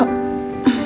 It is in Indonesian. aku bantu ya